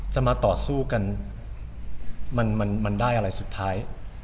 จะมาต่อสู้กันมันได้อะไรสุดท้าย